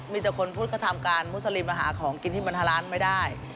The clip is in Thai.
มีแต่คนพุทธก็ทำการมุสลิมมาหาของกินที่บรรทาร้านไม่ได้